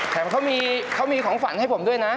แถมเขามีของฝันให้ผมด้วยนะ